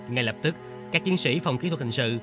ngay lập tức các chiến sĩ phòng kỹ thuật hình sự